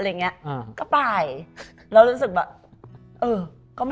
ลองที่แรม